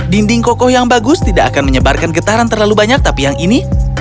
dinding kokoh yang bagus tidak akan menyebarkan getaran terlalu banyak tapi yang ini